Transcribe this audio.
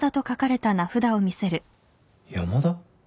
「山田」？